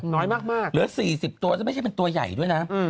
น้อยมากเหลือ๔๐ตัวซึ่งไม่ใช่เป็นตัวใหญ่ด้วยนะ